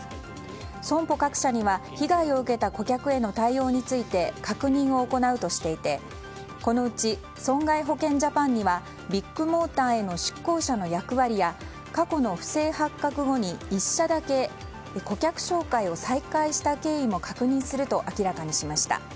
損保各社には被害を受けた顧客への対応について確認を行うとしていてこのうち損害保険ジャパンにはビッグモーターへの出向者の役割や過去の不正発覚後に１社だけ顧客紹介を再開した経緯も確認すると明らかにしました。